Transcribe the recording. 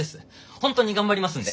本当に頑張りますんで。